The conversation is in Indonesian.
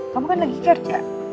kamu kan lagi kerja